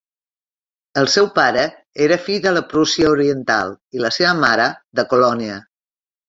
El seu pare era fill de la Prússia Oriental i la seva mare, de Colònia.